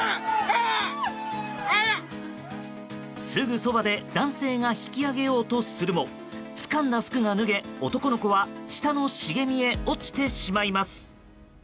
すぐそばで男性が引き上げようとするもつかんだ服が脱げ、男の子は下の茂みへ落ちてしまいます。